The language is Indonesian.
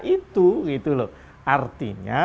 itu gitu loh artinya